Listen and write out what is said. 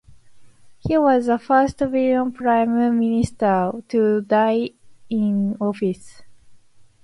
He was the first Belgian Prime Minister to die in office.